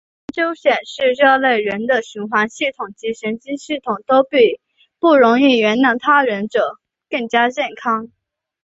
有研究显示这类人的循环系统及神经系统都比不容易原谅他人者更加健康。